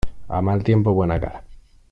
A mal tiempo, buena cara.